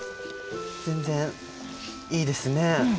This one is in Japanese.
全然いいですね。